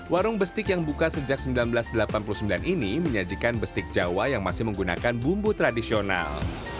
warung bestik yang buka sejak seribu sembilan ratus delapan puluh sembilan ini menyajikan bestik jawa yang masih menggunakan bumbu tradisional